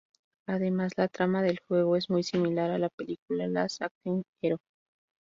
Además, la trama del juego es muy similar a la película Last Action Hero.